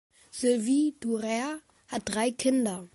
Silvie Durrer hat drei Kinder.